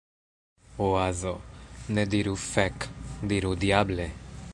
Oazo: "Ne diru "Fek!". Diru "Diable!""